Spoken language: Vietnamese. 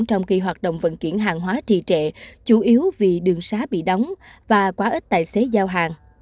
trong khi hoạt động vận chuyển hàng hóa trì trệ chủ yếu vì đường xá bị đóng và quá ít tài xế giao hàng